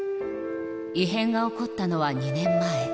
異変が起こったのは２年前。